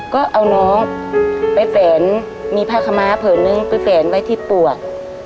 ก็เอาน้องไปแฝนมีผ้าขม้าผืนนึงไปแฝนไว้ที่ปวด